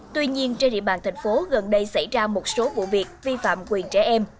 tuy nhiên trên địa bàn thành phố gần đây xảy ra một số vụ việc vi phạm quyền trẻ em